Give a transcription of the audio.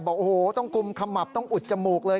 บอกโอ้โหต้องกุมขมับต้องอุดจมูกเลย